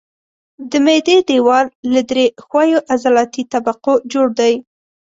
د معدې دېوال له درې ښویو عضلاتي طبقو جوړ دی.